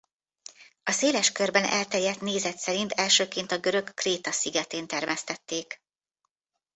A széles körben elterjedt nézet szerint elsőként a görög Kréta szigetén termesztették.